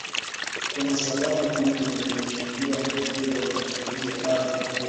Kuna sababu nyingi zinazochangia ongezeko la matumizi ya dawa za kulevya